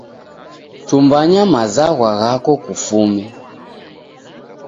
Tumbanya mazwagha ghako kufume.